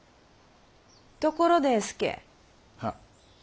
ところで佐。は。